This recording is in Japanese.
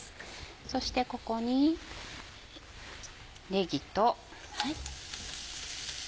そしてここにねぎと。